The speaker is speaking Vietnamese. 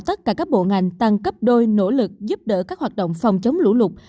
tất cả các bộ ngành tăng cấp đôi nỗ lực giúp đỡ các hoạt động phòng chống lũ lụt